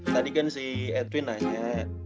tadi kan si edwin nanya